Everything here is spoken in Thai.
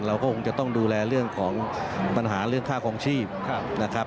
เราก็คงจะต้องดูแลเรื่องของปัญหาเรื่องค่าคลองชีพนะครับ